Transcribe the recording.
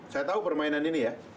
saya tahu permainan ini ya